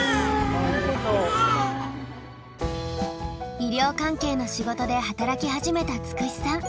医療関係の仕事で働き始めたつくしさん。